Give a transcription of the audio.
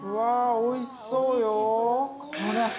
おいしそうよ。